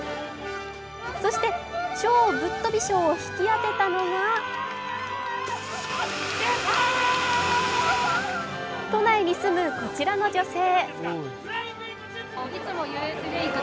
そして、超ぶっとび賞を引き当てたのが都内に住むこちらの女性。